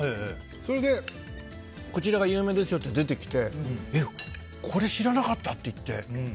それで、こちらが有名ですよって出てきてこれ知らなかったと思って。